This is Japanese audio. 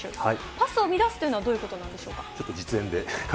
パスを乱すというのはどういうことなんでしょうか。